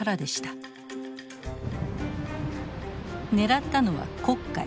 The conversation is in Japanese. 狙ったのは黒海。